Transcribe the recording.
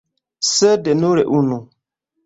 Sed nur unu!